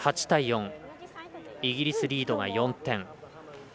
８対４、イギリスリードが４点。